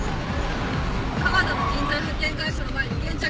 河田の人材派遣会社の前に現着。